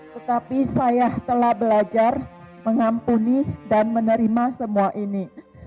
tetapi saya telah belajar mengampuni dan menerima semua ini